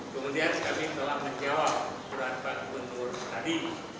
kemudian kami telah menjawab surat pak gunur tadi